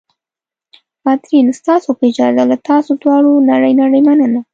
کاترین: ستاسو په اجازه، له تاسو دواړو نړۍ نړۍ مننه.